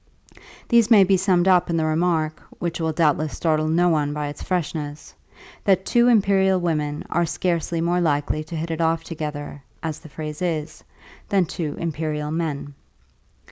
These may be summed up in the remark, which will doubtless startle no one by its freshness, that two imperial women are scarcely more likely to hit it off together, as the phrase is, than two imperial men.